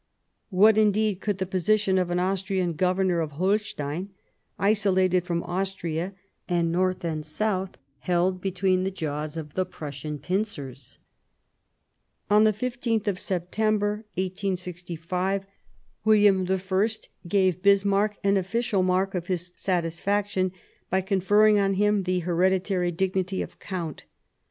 What, indeed, could be the position of an Austrian Governor of Holstein, isolated from Austria, and north and south held between the jaws of the Prussian pincers ? On the 15th of September, 1865, William I gave Bismarck an official mark of his satisfaction by conferring on him the hereditary dignity B?smarck° ^^ Count.